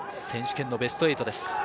選手権のベスト８です。